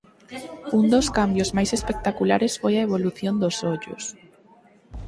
Un dos cambios máis espectaculares foi a evolución dos ollos.